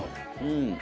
うん。